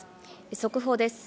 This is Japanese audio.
速報です。